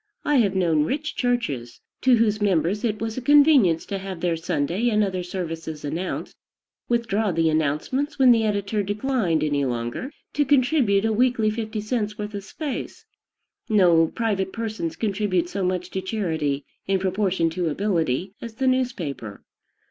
I have known rich churches, to whose members it was a convenience to have their Sunday and other services announced, withdraw the announcements when the editor declined any longer to contribute a weekly fifty cents' worth of space. No private persons contribute so much to charity, in proportion to ability, as the newspaper.